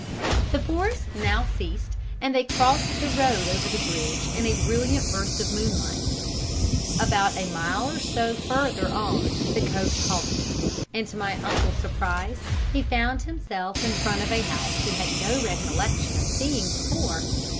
"The forest now ceased, and they crossed the road over the bridge in a brilliant burst of moonlight. About a mile or so further on the coach halted, and, to my uncle's surprise, he found himself in front of a house he had no recollection of seeing before.